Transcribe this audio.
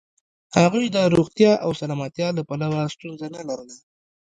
هغوی د روغتیا او سلامتیا له پلوه ستونزه نه لرله.